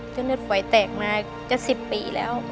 เส้นเลือดฝอยแตกมาจะ๑๐ปีแล้ว